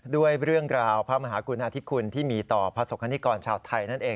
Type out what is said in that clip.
ด้วยเรื่องราวพระมหากุณาธิคุณที่มีต่อพระศกคณิกรชาวไทยนั่นเอง